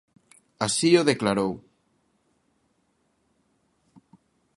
Así o declarou.